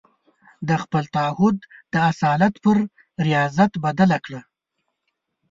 د خپل تعهد د اصالت پر رياضت بدله کړه.